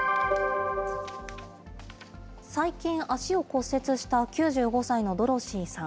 最近、足を骨折した９５歳のドロシーさん。